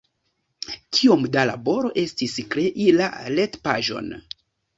Kiom da laboro estis krei la retpaĝon?